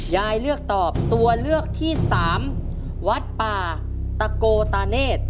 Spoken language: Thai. ยายเลือกตอบตัวเลือกที่สามวัดป่าตะโกตาเนธ